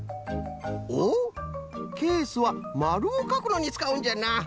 おっケースはまるをかくのにつかうんじゃな。